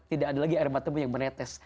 tidak ada lagi air matamu yang menetes